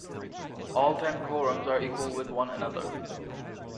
All ten quorums are equal with one another.